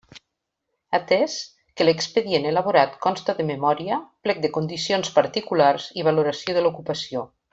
Atès que l'expedient elaborat consta de Memòria, Plec de Condicions Particulars i Valoració de l'ocupació.